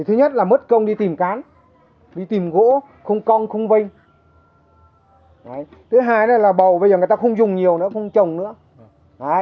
thứ nhất là mất công đi tìm cán đi tìm gỗ không cong không vây thứ hai là bầu bây giờ người ta không dùng nhiều nữa không trồng nữa